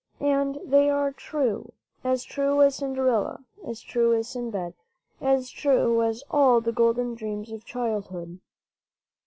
And they are true — as true as Cinderella, as true as Sinbad, as true as all the golden dreams of childhood.